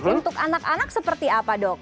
untuk anak anak seperti apa dok